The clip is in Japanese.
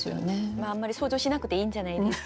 まああんまり想像しなくていいんじゃないですか？